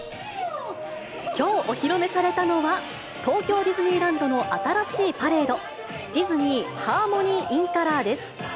きょうお披露目されたのは、東京ディズニーランドの新しいパレード、ディズニー・ハーモニー・イン・カラーです。